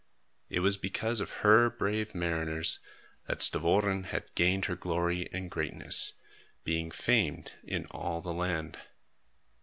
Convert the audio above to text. It was because of her brave mariners, that Stavoren had gained her glory and greatness, being famed in all the land.